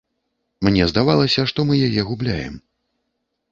Мне здавалася, што мы яе губляем.